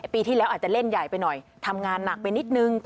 ปีที่แล้วอาจจะเล่นใหญ่ไปหน่อยทำงานหนักไปนิดนึง